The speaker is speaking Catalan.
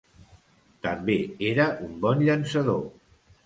També era un bon llançador.